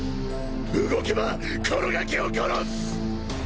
動けばこのガキを殺す！